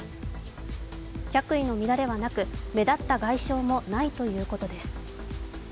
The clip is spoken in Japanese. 着衣の乱れはなく、目立った外傷もないということです。